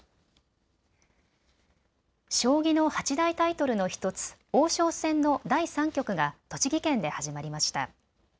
将棋の八大タイトルの１つ、王将戦の第３局が栃木県で始まりました。